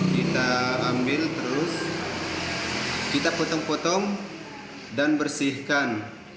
kita ambil terus kita potong potong dan bersihkan